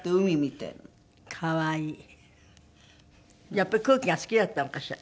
やっぱり空気が好きだったのかしら？